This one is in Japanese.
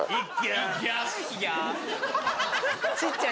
ちっちゃい